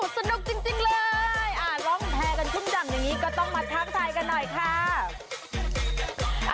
สนุกจริงเลยร้องแพ้กันชุ่มดำอย่างนี้ก็ต้องมาทักทายกันหน่อยค่ะ